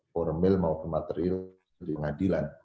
formal mau ke material di pengadilan